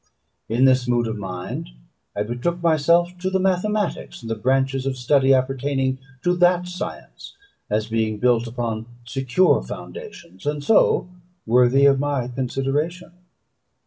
In this mood of mind I betook myself to the mathematics, and the branches of study appertaining to that science, as being built upon secure foundations, and so worthy of my consideration.